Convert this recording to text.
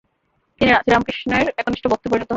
তিনি শ্রীরামকৃষ্ণের একনিষ্ঠ ভক্তে পরিণত হন।